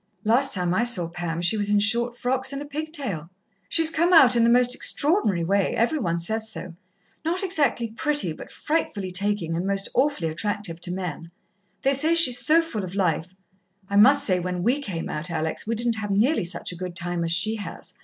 "Last time I saw Pam she was in short frocks and a pigtail." "She's come out in the most extraordinary way. Every one says so. Not exactly pretty, but frightfully taking, and most awfully attractive to men. They say she's so full of life. I must say, when we came out, Alex, we didn't have nearly such a good time as she has.